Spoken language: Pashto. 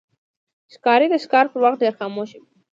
ښکاري د ښکار پر وخت ډېر خاموش وي.